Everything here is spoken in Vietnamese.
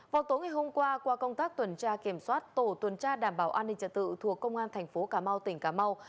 vào tối ngày hôm qua qua công tác tuần tra kiểm soát tổ tuần tra đảm bảo an ninh trật tự thuộc công an thành phố cà mau tỉnh cà mau